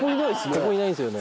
ここいないんですよ。